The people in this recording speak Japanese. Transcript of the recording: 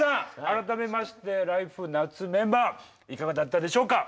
改めまして「ＬＩＦＥ！夏」メンバーいかがだったでしょうか？